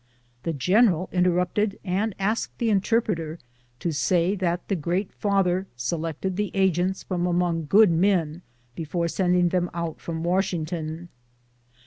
The general interrupted, and asked the in terpreter to say that the Great Father selected the agents from among good men before sending them out from "Washington.